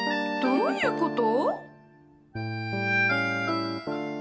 どういうこと？